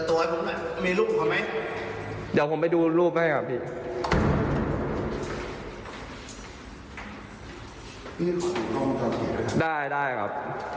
เหตุการณ์นี้ต้นเรื่องของความเลวร้ายต้นเรื่องของความอุกฉกันตรงนี้ครับ